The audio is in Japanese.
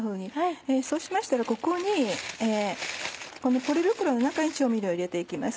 そうしましたらここにこのポリ袋の中に調味料を入れて行きます。